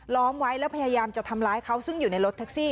ล้อมไว้แล้วพยายามจะทำร้ายเขาซึ่งอยู่ในรถแท็กซี่